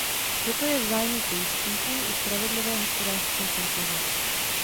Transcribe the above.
Toto je v zájmu pojistníků i spravedlivé hospodářské soutěže.